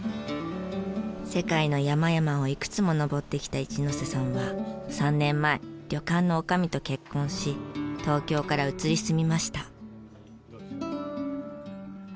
世界の山々をいくつも登ってきた一瀬さんは３年前旅館の女将と結婚し東京から移り住みました。